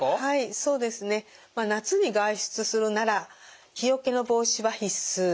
そうですね夏に外出するなら日よけの帽子は必須。